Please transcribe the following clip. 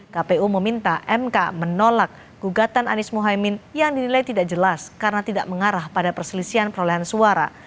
kpu meminta mk menolak gugatan anies mohaimin yang dinilai tidak jelas karena tidak mengarah pada perselisihan perolehan suara